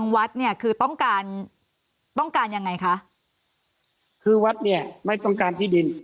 วัดเนี่ยคือต้องการต้องการยังไงคะคือวัดเนี่ยไม่ต้องการที่ดิน